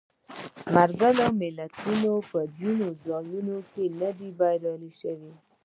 ملګري ملتونه په ځینو ځایونو کې نه دي بریالي شوي.